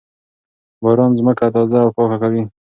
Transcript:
باران ځمکه تازه او پاکه کوي.